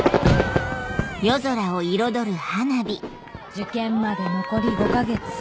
受験まで残り５か月